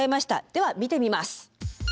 では見てみます。